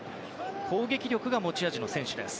攻撃力が持ち味の選手。